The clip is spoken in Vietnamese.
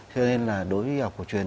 cho nên là đối với y học cổ truyền